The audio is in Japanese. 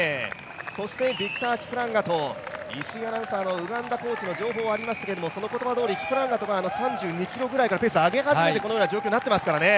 ビクター・キプランガト、ウガンダコーチの情報もありましたけどその言葉どおり、キプランガトが３２ｋｍぐらいからペースを上げ始めてこのような状況になっていますからね。